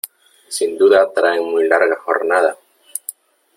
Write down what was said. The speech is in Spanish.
¿ sin duda traen muy larga jornada ?